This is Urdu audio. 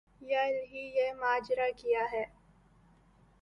یا الٰہی یہ ماجرا کیا ہے